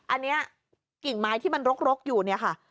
อันนี้กิ่งไม้ที่มันรกอยู่เนี่ยค่ะ